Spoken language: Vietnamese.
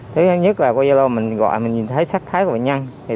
thứ nhất là qua gia lô mình gọi mình thấy sắc thai